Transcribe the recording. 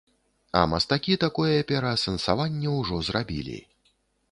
А мастакі такое пераасэнсаванне ўжо зрабілі.